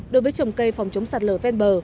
đối với trồng cây phòng chống sạt lở ven bờ